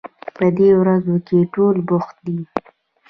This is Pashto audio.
په دې ورځو کې ټول بوخت دي